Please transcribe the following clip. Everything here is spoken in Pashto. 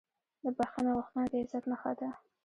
د بښنې غوښتنه د عزت نښه ده.